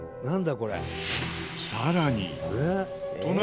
これ。